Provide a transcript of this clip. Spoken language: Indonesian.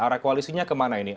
arah koalisinya ke mana ini